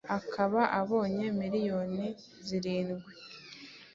akaba abonye miliyoni zirindwi